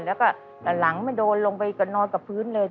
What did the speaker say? แล้วก็หลังไม่โดนลงไปก็นอนกับพื้นเลย